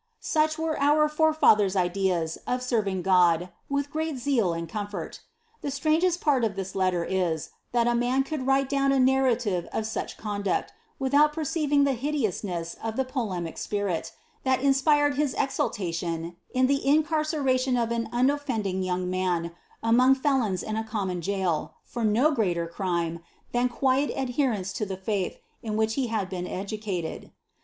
Such were our forefathers' ideas of serving God with ^ great zeal and comfort ;" the strangest part of this letter is, that a man could write jown a narrative of such conduct, without perceiving tlie hideousness of the polemic spirit, that inspired his exultation in the incarceration of in unoffending young gentleman among felons in a common jail, for no pealer crime than quiet adherence to the faith in which he had been sducated.